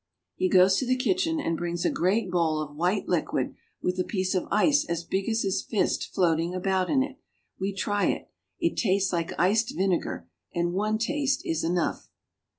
He goes to the kitchen and brings a great bowl of white liquid with a piece of ice as big as his fist floating about in it. We try it. It tastes like iced vinegar, and one taste is enough.